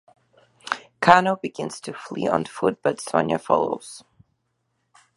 Kano begins to flee on foot but Sonya follows.